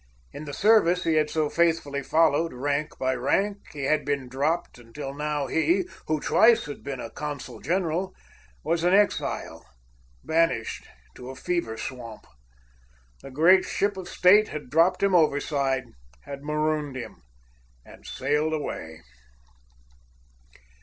In the service he had so faithfully followed, rank by rank, he had been dropped, until now he, who twice had been a consul general, was an exile, banished to a fever swamp. The great Ship of State had dropped him overside, had "marooned" him, and sailed away.